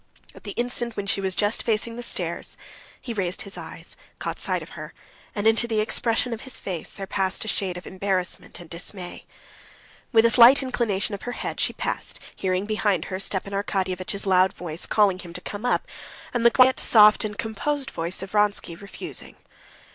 At the instant when she was just facing the stairs, he raised his eyes, caught sight of her, and into the expression of his face there passed a shade of embarrassment and dismay. With a slight inclination of her head she passed, hearing behind her Stepan Arkadyevitch's loud voice calling him to come up, and the quiet, soft, and composed voice of Vronsky refusing.